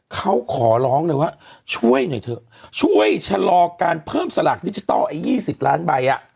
เขาขอร้องเลยว่าช่วยหน่อยเถอะช่วยชะลอการเพิ่มสลากดิจิทัลไอ้๒๐ล้านใบอ่ะ